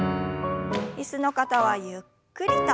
椅子の方はゆっくりと。